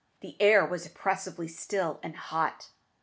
The air was oppressively still and hot.